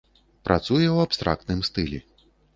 Працуе ў абстрактным стылі.